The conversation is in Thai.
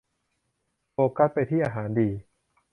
โฟกัสไปที่อาหารดี